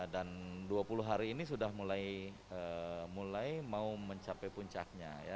dan dua puluh hari ini sudah mulai mau mencapai puncaknya ya